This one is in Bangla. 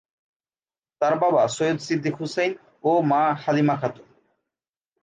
তার বাবা সৈয়দ সিদ্দিক হুসাইন ও মা হালিমা খাতুন।